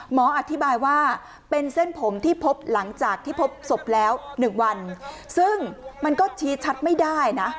หมออธิบายว่าเป็นเส้นผมที่พบหลังจากที่พบศพแล้ว๑วันซึ่งมันก็ชี้ชัดไม่ได้นะ